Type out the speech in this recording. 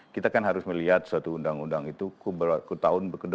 kita kan harus melihat suatu undang undang itu bertahun